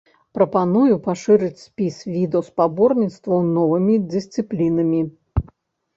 Прапаную пашырыць спіс відаў спаборніцтваў новымі дысцыплінамі.